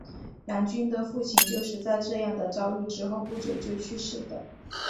杨君的父亲就是在这样的遭遇之后不久就去世的。